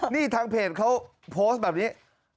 นี่ทางเพจเขาโพสต์แบบนี้